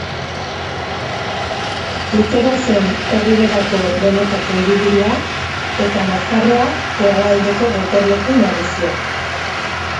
Tutera zen Erriberako benetako hiriburua eta Nafarroa hegoaldeko gotorleku nagusia.